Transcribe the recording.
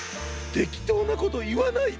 てきとうなこといわないで！